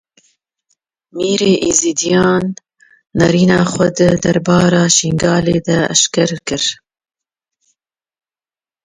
Mîrê Êzidiyan nêrîna xwe di derbarê Şingalê de eşkere kir.